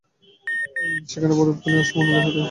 সেখানেই অপরিবর্তনীয় অসীম আনন্দ রহিয়াছে।